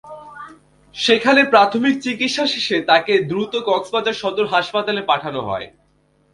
সেখানে প্রাথমিক চিকিৎসা শেষে তাঁকে দ্রুত কক্সবাজার সদর হাসপাতালে পাঠানো হয়।